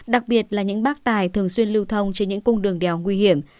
đặc biệt là những bác tài thường xuyên lưu thông trên những cung đường đèo nguy hiểm